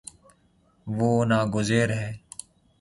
وہ نا گزیر ہے